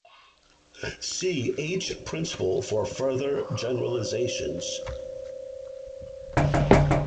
See "h"-principle for further generalizations.